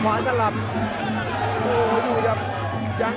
อยากอยากเข้ามาเดี๋ยวมาถึงรอยหัวก่อน